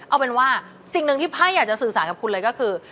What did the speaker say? เอาเป็นว่าสิ่งหนึ่งที่ไพ่อยากจะสื่อสารกับคุณเลยก็คือ